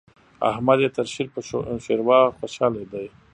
احمد يې تر شير په شېروا خوشاله دی.